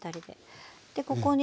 でここに。